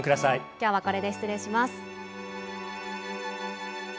「今日はこれで失礼します」。